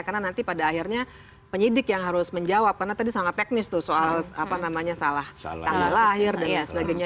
karena nanti pada akhirnya penyidik yang harus menjawab karena tadi sangat teknis tuh soal apa namanya salah lahir dan sebagainya